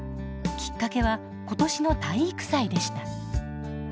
きっかけは今年の体育祭でした。